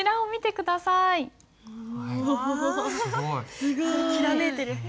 すごい！きらめいてる。